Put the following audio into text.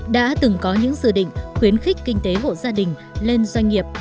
đã từng có những dự định khuyến khích kinh tế hộ gia đình lên doanh nghiệp